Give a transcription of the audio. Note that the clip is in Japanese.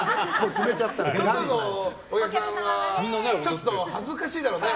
外のお客さんはちょっと恥ずかしいだろうね。